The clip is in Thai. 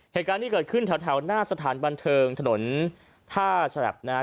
เหตุการณ์ที่เกิดขึ้นแถวหน้าสถานบันเทิงถนนท่าฉลับนะฮะ